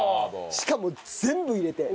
しかも全部入れて。